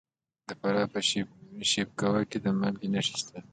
د فراه په شیب کوه کې د مالګې نښې شته.